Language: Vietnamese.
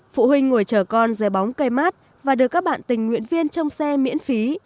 phụ huynh ngồi chờ con dưới bóng cây mát và được các bạn tình nguyện viên trong xe miễn phí